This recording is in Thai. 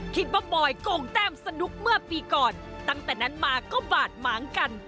บอยโกงแต้มสนุกเมื่อปีก่อนตั้งแต่นั้นมาก็บาดหมางกัน